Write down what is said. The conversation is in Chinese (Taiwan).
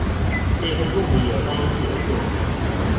這份共筆也歡迎協作